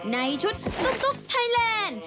ในชุดตุ๊กไทยแลนด์